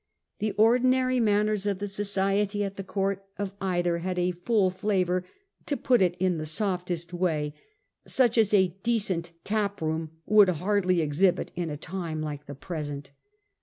The ordinary maimers of the society at the court of either had a full flavour, to put it in the softest way, such as a decent taproom would hardly exhibit in a time like the present.